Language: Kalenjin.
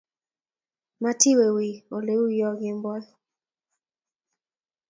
Matiwe wiiy oleu yuu kemboi